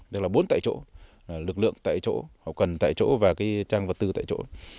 tức là bốn tại chỗ lực lượng tại chỗ học cần tại chỗ và trang vật tư tại chỗ